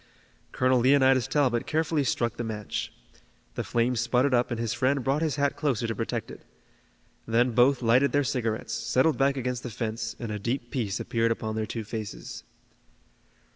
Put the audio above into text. Colonel Leonidas Talbot carefully struck the match. The flame sputtered up and his friend brought his hat closer to protect it. Then both lighted their cigarettes, settled back against the fence, and a deep peace appeared upon their two faces.